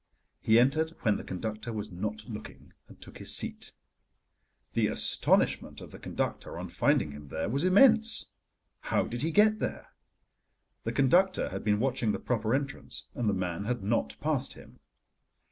He entered when the conductor was not looking, and took his seat. The astonishment of the conductor on finding him there was immense. How did he get there? The conductor had been watching the proper entrance, and the man had not passed him.